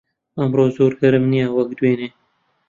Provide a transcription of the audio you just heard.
ئەمڕۆ زۆر گەرم نییە وەک دوێنێ.